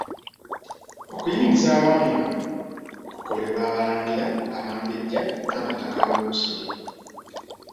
Okuyingiza abaami bano kukolebwa abalangira, abambejja, n'abataka ab'obusolya.